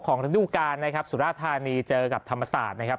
ระดูการนะครับสุราธานีเจอกับธรรมศาสตร์นะครับ